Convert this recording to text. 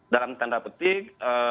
dalam tanda petik